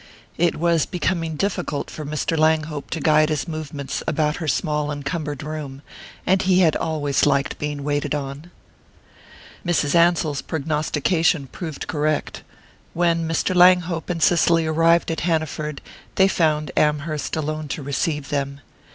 It was becoming difficult for Mr. Langhope to guide his movements about her small encumbered room; and he had always liked being waited on. Mrs. Ansell's prognostication proved correct. When Mr. Langhope and Cicely arrived at Hanaford they found Amherst alone to receive them.